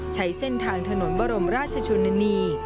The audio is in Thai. ใช้เส้นทางถนนบรมราชชนนานี